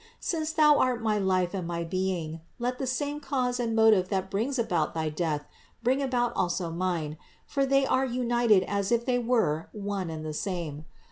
Since Thou art my life and my being, let the same cause and motive that brings about thy Death bring about also mine ; for they are united as if they were one and the same.